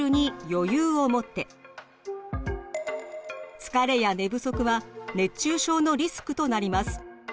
疲れや寝不足は熱中症のリスクとなります。